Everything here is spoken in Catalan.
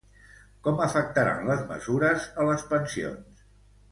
Com afectaran les mesures a les pensions?